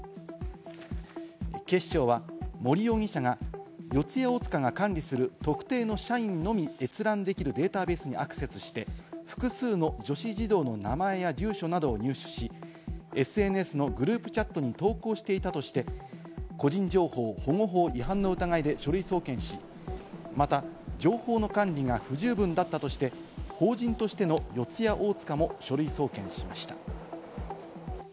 警視庁は森容疑者が四谷大塚が管理する特定の社員のみ閲覧できるデータベースにアクセスして、複数の女子児童の名前や住所などを入手し、ＳＮＳのグループチャットに投稿していたとして、個人情報保護法違反の疑いで書類送検し、また情報の管理が不十分だったとして、法人としての四谷大塚も書類送検しました。